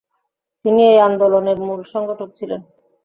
তিনি এই আন্দোলনের মূল সংগঠক ছিলেন।